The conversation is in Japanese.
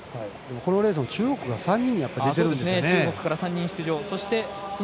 このレースも中国が３人出ていますね。